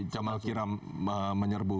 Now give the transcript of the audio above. jamal kiram menyerbu